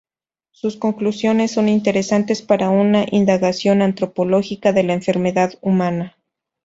Sus conclusiones son interesantes para una indagación antropológica de la enfermedad humana.